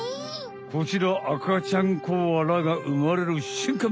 こちらあかちゃんコアラがうまれるしゅんかん！